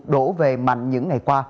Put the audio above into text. đổ về mạnh những ngày qua